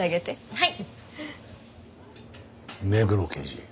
はい！